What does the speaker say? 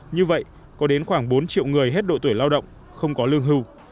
như vậy có đến khoảng bốn triệu người hết độ tuổi lao động không có lương hưu